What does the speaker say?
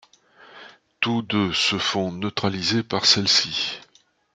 Tous deux se font neutraliser par celle-ci.